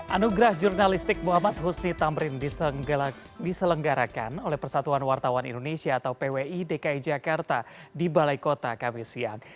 anugerah jurnalistik muhammad husni tamrin diselenggarakan oleh persatuan wartawan indonesia atau pwi dki jakarta di balai kota kami siang